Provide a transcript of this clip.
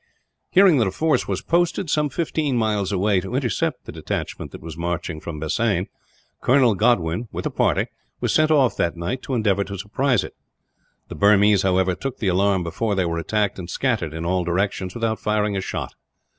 Hearing that a force was posted, some fifteen miles away, to intercept the detachment that was marching from Bassein; Colonel Godwin, with a party, was sent off that night to endeavour to surprise it. The Burmese, however, took the alarm before they were attacked; and scattered in all directions, without firing a shot.